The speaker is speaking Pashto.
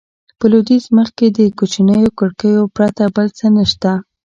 په لوېدیځ مخ کې د کوچنیو کړکیو پرته بل څه نه شته.